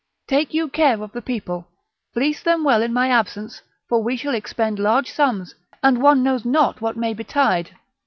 Take you care of the people; fleece them well in my absence; for we shall expend large sums, and one knows not what may betide."